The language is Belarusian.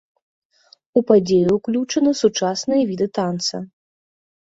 У падзею ўключаны сучасныя віды танца.